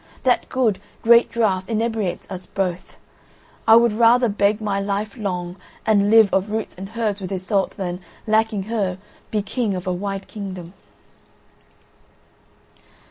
That good, great draught inebriates us both. I would rather beg my life long and live of roots and herbs with Iseult than, lacking her, be king of a wide kingdom."